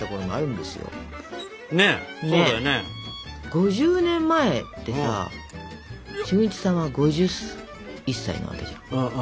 ５０年前ってさ俊一さんは５１歳なわけじゃん。